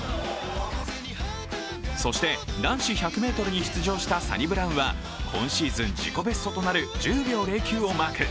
そして男子１００ｍに出場したサニブラウンは、今シーズン自己ベストとなる１０秒０９をマーク。